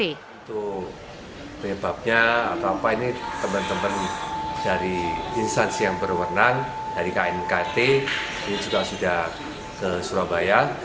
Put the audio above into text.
untuk penyebabnya atau apa ini teman teman dari instansi yang berwenang dari knkt ini juga sudah ke surabaya